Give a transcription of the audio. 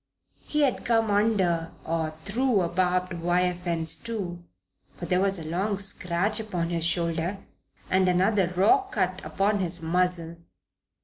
He had come under, or through, a barbed wire fence, too, for there was a long scratch upon his shoulder and another raw cut upon his muzzle.